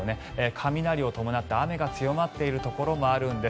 雷を伴って雨が強まっているところもあるんです。